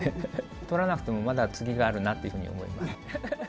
取らなくてもまだ次があるなというふうに思います。